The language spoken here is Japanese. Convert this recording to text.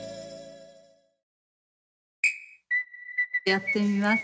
やってみます